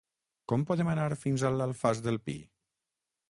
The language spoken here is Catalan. Com podem anar fins a l'Alfàs del Pi?